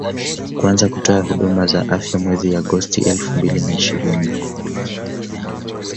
kuanza kutoa huduma za afya mwezi agosti elfu mbili na ishirini